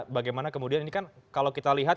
bagaimana kemudian ini kan kalau kita lihat